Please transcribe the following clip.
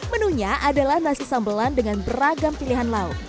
menunya adalah nasi sambelan dengan beragam pilihan lauk